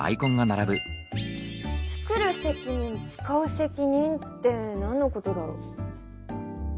「つくる責任つかう責任」って何のことだろ？